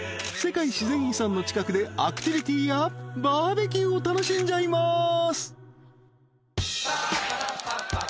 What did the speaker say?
［世界自然遺産の近くでアクティビティーやバーベキューを楽しんじゃいます］